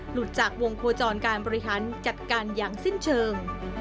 หลุดจากวงโคจรการบริหารจัดการอย่างสิ้นเชิง